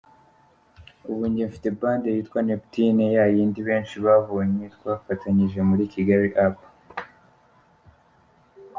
Ubu njye mfite band yitwa Neptunez, yayindi benshi babonye twafatanije muri Kigali Up.